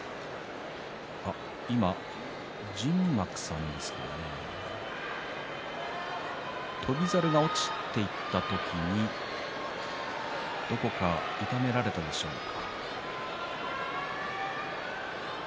今、陣幕さんですか翔猿が落ちていった時にどこか痛められたでしょうか。